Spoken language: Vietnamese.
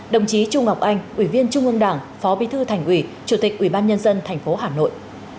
đồng chí trung ngọc anh ủy viên trung ương đảng phó bí thư thành ủy chủ tịch ủy ban nhân dân tp hà nội